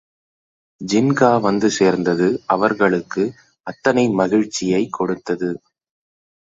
ஜின்கா வந்து சேர்ந்தது அவர்களுக்கு அத்தனை மகிழ்ச்சியைக் கொடுத்தது.